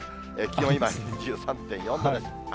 気温今、２３．４度です。